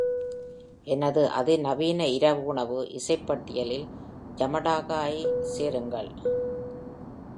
எனது அதிநவீன இரவு உணவு இசைப் பட்டியலில் யமடாகா ஐ-யை சேருங்கள்